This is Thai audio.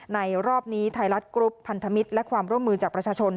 รอบนี้ไทยรัฐกรุ๊ปพันธมิตรและความร่วมมือจากประชาชน